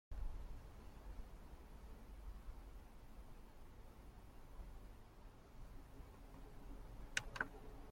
Pura Apl.